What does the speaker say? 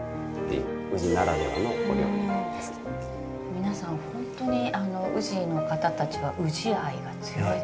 皆さん本当に宇治の方たちは宇治愛が強いですね。